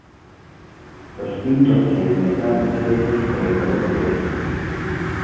Los quintos se enfrentaron entre ellos por el noveno puesto.